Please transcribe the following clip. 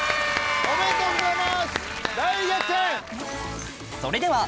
おめでとうございます大逆転！